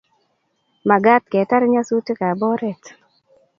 Magat ketar nyasutikab oret